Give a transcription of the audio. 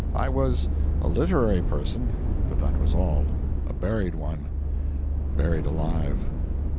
I was a Literary Person, but that was all a buried one; buried alive.